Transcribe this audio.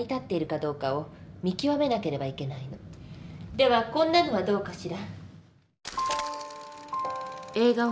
ではこんなのはどうかしら。